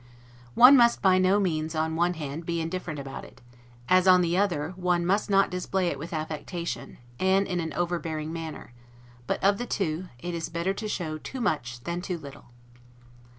One must by no means, on one hand, be indifferent about it; as, on the other, one must not display it with affectation, and in an overbearing manner, but, of the two, it is better to show too much than too little.